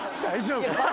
大丈夫だ。